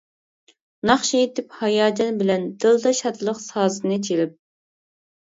ناخشا ئېيتىپ ھاياجان بىلەن، دىلدا شادلىق سازىنى چېلىپ.